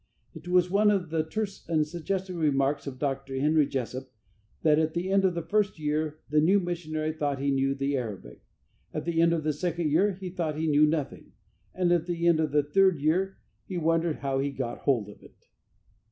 It was one of the terse and suggestive remarks of Dr. Henry Jessup that at the end of the first year the new missionary thought he knew the Arabic; at the end of the second year he thought he knew nothing; and at the end of the third year he wondered how he got hold of it.